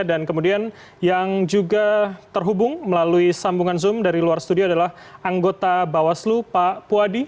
dan kemudian yang juga terhubung melalui sambungan zoom dari luar studio adalah anggota bawas lur pak puadi